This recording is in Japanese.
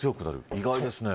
意外ですね。